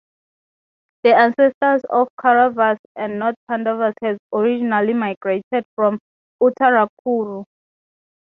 The ancestors of the Kauravas and Pandavas had originally migrated from "Uttarakuru".